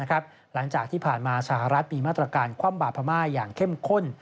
หลังจากที่ผ่านมาสหรัฐมีมาตรการคว่ำบาดพม่าอย่างเข้มข้น